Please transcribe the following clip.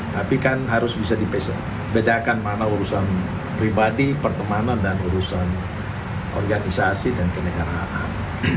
tapi kan harus bisa dibedakan mana urusan pribadi pertemanan dan urusan organisasi dan kenegaraan